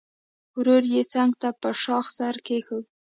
ورو يې څنګ ته په شاخ سر کېښود.